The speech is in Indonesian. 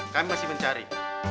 kami masih mencari